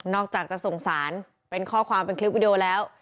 อกจากจะสงสารเป็นข้อความเป็นคลิปวิดีโอแล้ว